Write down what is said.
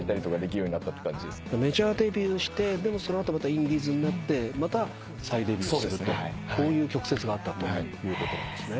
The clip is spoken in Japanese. メジャーデビューしてでもその後またインディーズになってまた再デビューするとこういう曲折があったということなんですね。